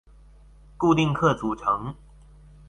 固定客组成。